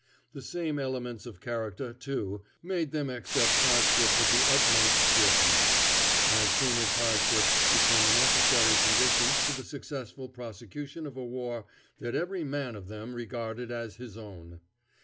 The same elements of character, too, made them accept hardship with the utmost cheerfulness, as soon as hardship became a necessary condition to the successful prosecution of a war that every man of them regarded as his own.